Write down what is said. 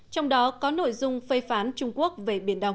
trong đó có nội dung phê phán trung quốc về biển đông